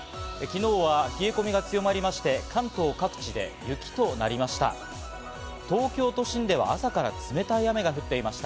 昨日は冷え込みが強まりまして、関東各地で雪となりました。